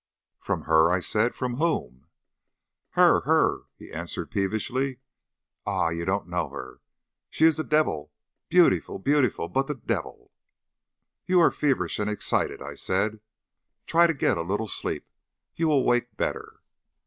"From her!" I said. "From whom?" "Her! her!" he answered peevishly. "Ah! you don't know her. She is the devil! Beautiful beautiful; but the devil!" "You are feverish and excited," I said. "Try and get a little sleep. You will wake better."